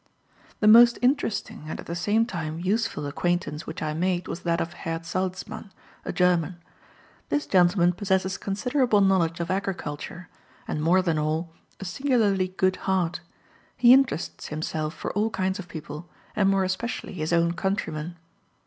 The most interesting, and, at the same time, useful acquaintance which I made was that of Herr Salzmann, a German. This gentleman possesses considerable knowledge of agriculture, and more than all, a singularly good heart; he interests himself for all kinds of people, and more especially his own countrymen.